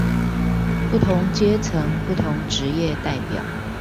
不同階層、不同職業代表